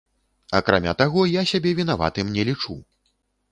Акрамя таго, я сябе вінаватым не лічу.